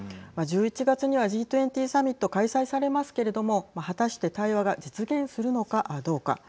１１月には、Ｇ２０サミット開催されますけれども果たして対話が実現するのかどうか。